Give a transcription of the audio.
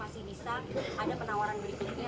masih bisa ada penawaran berikutnya